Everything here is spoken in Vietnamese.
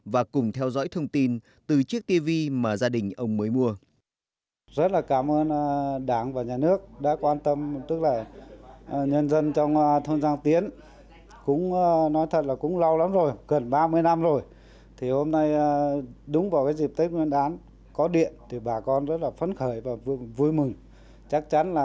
và cùng theo dõi thông tin từ chiếc tv mà gia đình ông mới mua